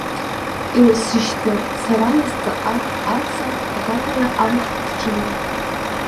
Иласышьҭуан сара нас ҵаҟа аца, акакала амахәқәа ԥҵәаны.